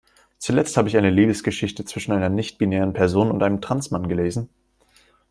Zuletzt habe ich eine Liebesgeschichte zwischen einer nichtbinären Person und einem Trans-Mann gelesen.